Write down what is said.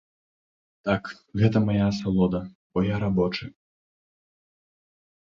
Так, гэта мая асалода, бо я рабочы.